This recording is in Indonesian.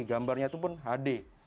gambarnya itu pun hd